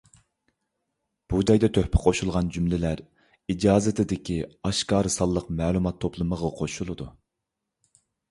بۇ جايدا تۆھپە قوشۇلغان جۈملىلەر ئىجازىتىدىكى ئاشكارا سانلىق مەلۇمات توپلىمىغا قوشۇلىدۇ.